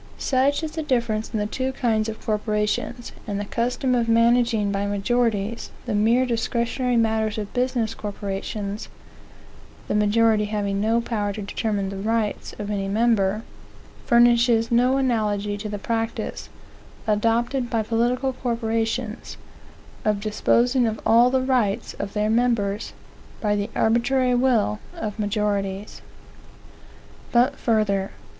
Such is the difference in the two kinds of corporations; and the custom of managing by majorities the mere discretionary matters of business corporations, (the majority having no power to determine the rights of any member,) furnishes no analogy to the practice, adopted by political corporations, of disposing of all the rightsof their members by the arbitrary will of majorities. But further.